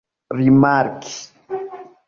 rimarki